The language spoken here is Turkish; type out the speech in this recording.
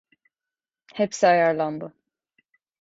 Hepsi ayarlandı.